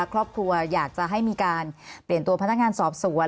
ครอบครัวอยากจะให้มีการเปลี่ยนตัวพนักงานสอบสวน